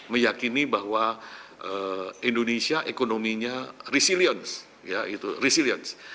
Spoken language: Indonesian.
meyakini bahwa indonesia ekonominya resilience resilience